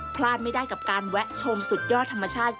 พลาดไม่ได้กับการแวะชมสุดยอดธรรมชาติ